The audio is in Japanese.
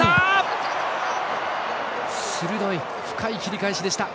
鋭い深い切り返しでした。